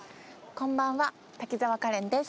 こんばんは滝沢カレンです。